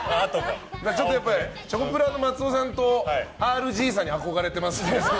チョコプラの松尾さんとＲＧさんに憧れてますので。